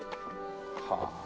はあ。